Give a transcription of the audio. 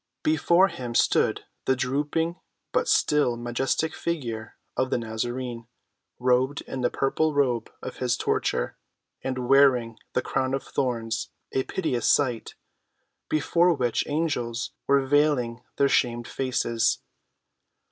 Before him stood the drooping but still majestic figure of the Nazarene, robed in the purple robe of his torture and wearing the crown of thorns, a piteous sight, before which angels were vailing their shamed faces.